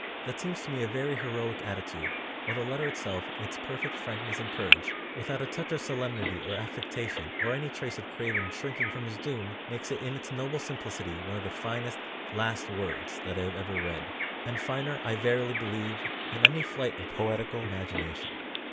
That seems to me a very heroic attitude; while the letter itself, in its perfect frankness and courage, without a touch of solemnity or affectation, or any trace of craven shrinking from his doom, makes it in its noble simplicity one of the finest "last words" that I have ever read, and finer, I verily believe, than any flight of poetical imagination.